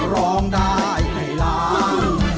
คือร้องได้ให้ร้าง